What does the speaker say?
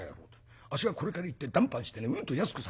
あっしがこれから行って談判してねうんと安くさせますんでね。